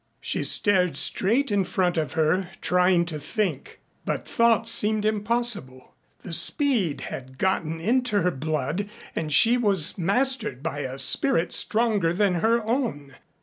She stared straight in front of her trying to think, but thought seemed impossible. The speed had got into her blood and she was mastered by a spirit stronger than her own.